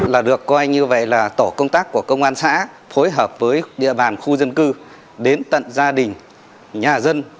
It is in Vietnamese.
là được coi như vậy là tổ công tác của công an xã phối hợp với địa bàn khu dân cư đến tận gia đình nhà dân